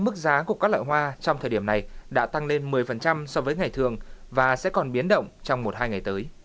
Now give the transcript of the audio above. mức giá của các loại hoa trong thời điểm này đã tăng lên một mươi so với ngày thường và sẽ còn biến động trong một hai ngày tới